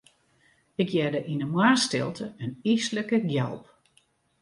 Ik hearde yn 'e moarnsstilte in yslike gjalp.